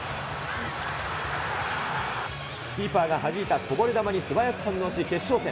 キーパーがはじいたこぼれ球に素早く反応し、決勝点。